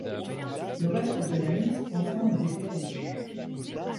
Le reste de la liste concerne des perruches.